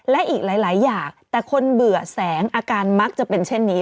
และอีกหลายอย่างแต่คนเบื่อแสงอาการมักจะเป็นเช่นนี้